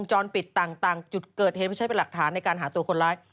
จรปิดต่างจุดเกิดเหตุไว้ใช้เป็นหลักฐานในการหาตัวคนร้าย